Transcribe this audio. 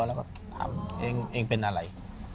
แล้วถามเป็นอะไร